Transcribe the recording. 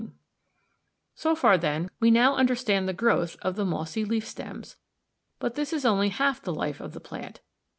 ] So far, then, we now understand the growth of the mossy leaf stems, but this is only half the life of the plant.